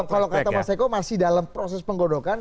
kalau kata mas eko masih dalam proses penggodokan